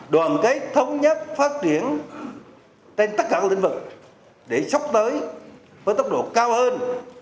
đoàn kết thống nhất phát triển trên tất cả các lĩnh vực để sốc tới với tốc độ cao hơn